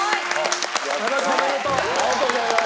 ありがとうございます。